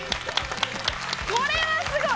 これはすごい！